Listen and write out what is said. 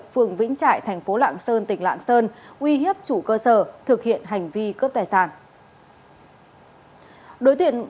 phường vĩnh trại thành phố lạng sơn tỉnh lạng sơn uy hiếp chủ cơ sở thực hiện hành vi cướp tài sản